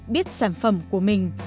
biết sản phẩm của mình